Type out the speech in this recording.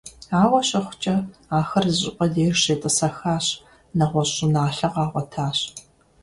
Ауэ щыхъукӀэ, ахэр зыщӀыпӀэ деж щетӀысэхащ, нэгъуэщӀ щӀыналъэ къагъуэтащ.